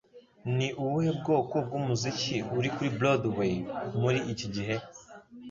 Ni ubuhe bwoko bw'umuziki uri kuri Broadway muri iki gihe?